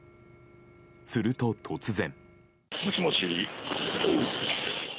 すると、突然。